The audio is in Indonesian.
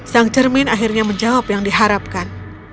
sang cermin akhirnya menjawab yang diharapkan